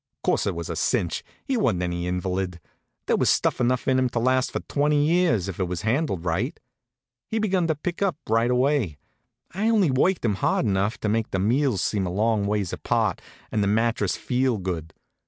Course, it was a cinch. He wa'n't any invalid. There was stuff enough in him to last for twenty years, if it was handled right. He begun to pick up right away. I only worked him hard enough to make the meals seem a long ways apart and the mattress feel good.